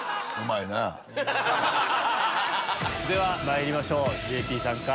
ではまいりましょうＪＰさんか？